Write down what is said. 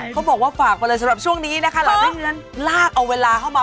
เขาบอกว่าฝากไปเลยสำหรับช่วงนี้นะคะหลายท่านนั้นลากเอาเวลาเข้ามา